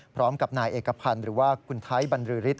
พร้อมกับนายเอกพันธ์หรือว่าคุณไทยบรรลือฤทธ